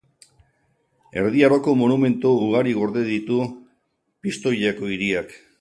Erdi Aroko monumentu ugari gorde ditu Pistoiako hiriak.